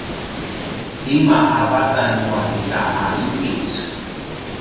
lima a vatan nu ita a ’inpic